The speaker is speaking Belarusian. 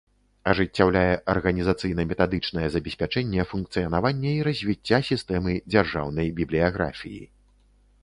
Ажыццяўляе арганiзацыйна-метадычнае забеспячэнне функцыянавання i развiцця сiстэмы дзяржаўнай бiблiяграфii.